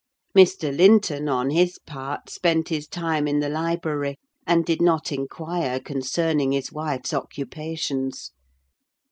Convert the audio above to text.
Mr. Linton, on his part, spent his time in the library, and did not inquire concerning his wife's occupations.